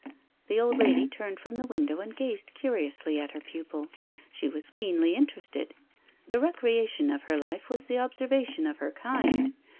The old lady turned from the window and gazed curiously at her pupil. She was keenly interested. The recreation of her life was the observation of her kind.